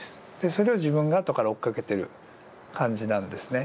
それを自分が後から追っかけてる感じなんですね。